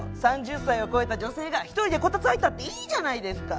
３０歳を超えた女性が一人でこたつ入ったっていいじゃないですか！